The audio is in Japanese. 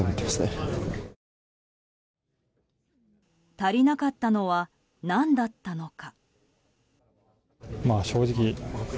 足りなかったのは何だったのか。